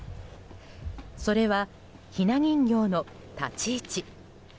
それはひな人形の立ち位置。